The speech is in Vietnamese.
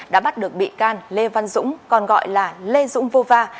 đã bắt được bị can lê văn dũng còn gọi là lê dũng vô va